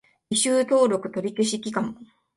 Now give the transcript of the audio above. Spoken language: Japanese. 履修登録取り消し期間